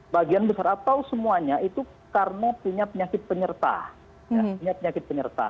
bagian besar atau semuanya itu karena punya penyakit penyerta